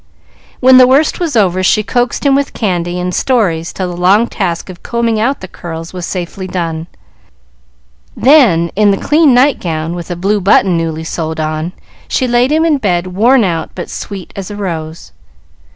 When the worst was over, she coaxed him with candy and stories till the long task of combing out the curls was safely done; then, in the clean night gown with a blue button newly sewed on, she laid him in bed, worn out, but sweet as a rose.